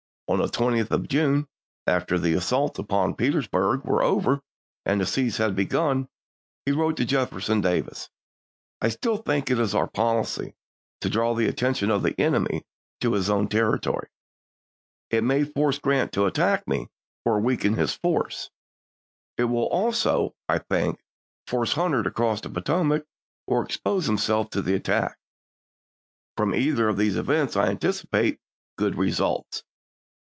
On the 20th of June — after the assaults upon Petersburg were over and the siege had begun — he wrote to Jefferson Davis, " I still think it is our policy to draw the attention of the enemy to his own territory. It may force Grant to attack me, or weaken his force. It will also, I think, force Hunter to cross the Potomac, or expose himself to attack. From either of these events I anticipate good results."